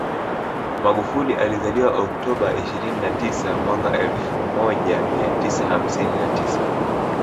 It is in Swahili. Magufuli alizaliwa Oktoba ishirini na tisa mwaka elfu mija mia tisa hamsini na tisa